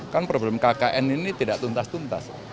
kan problem kkn ini tidak tuntas tuntas